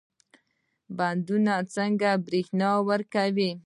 بندونه څنګه برښنا ورکوي؟